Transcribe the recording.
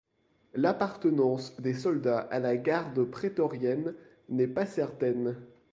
L'appartenance des soldats à la garde prétorienne n'est pas certaine.